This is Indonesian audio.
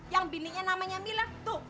yang bininya namanya mila tuh